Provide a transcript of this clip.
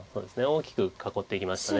大きく囲っていきました。